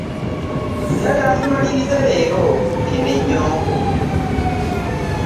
Njagala tumalirize leero zino enyombo.